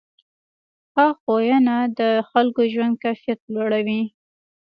ښه ښوونه د خلکو ژوند کیفیت لوړوي.